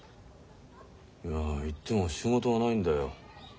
いや行っても仕事がないんだよ。